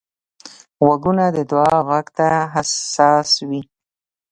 غوږونه د دعا غږ ته حساس وي